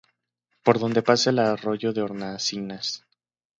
Por donde pasa el arroyo de Hornacinas.